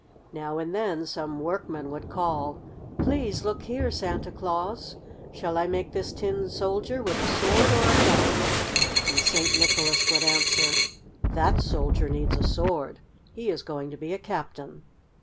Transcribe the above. Now and then some workman would call: "Please look here, Santa Claus! Shall I make this Tin Soldier with a sword or a gun?" And St. Nicholas would answer: "That Soldier needs a sword. He is going to be a Captain."